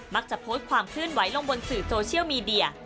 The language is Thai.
จะโพสต์ความเคลื่อนไหวลงบนสื่อโซเชียลมีเดีย